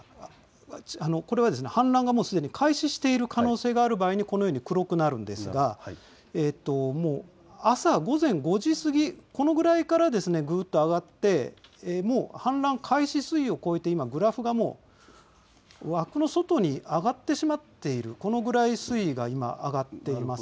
これは氾濫がもうすでに開始している可能性がある場合にこのように黒くなるんですがもう朝午前５時過ぎ、このぐらいからぐっと上がってもう氾濫開始水位を超えてグラフがもう枠の外に上がってしまっている、このぐらい水位が上がっています。